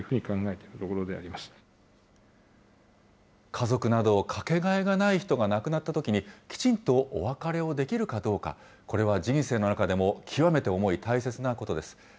家族などかけがえがない人が亡くなったときに、きちんとお別れをできるかどうか、これは人生の中でも極めて重い、大切なことです。